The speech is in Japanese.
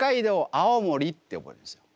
青森って覚えるんですよ。